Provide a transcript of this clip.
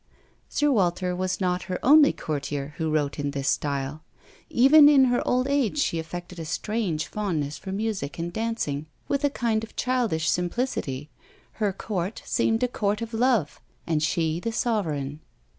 Sir Walter was not her only courtier who wrote in this style. Even in her old age she affected a strange fondness for music and dancing, with a kind of childish simplicity; her court seemed a court of love, and she the sovereign.